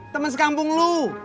temen sekampung lu